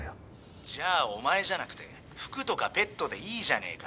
じゃあお前じゃなくて服とかペットでいいじゃねえか。